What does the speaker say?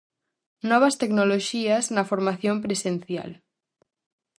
Novas tecnoloxías na formación presencial.